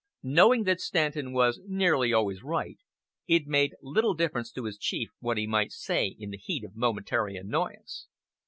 Knowing that Stanton was "nearly always right" it made little difference to his chief what he might say in the heat of momentary annoyance.